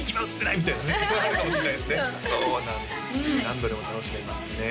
何度でも楽しめますね